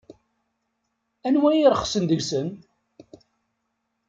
Anwa i irexsen deg-sen?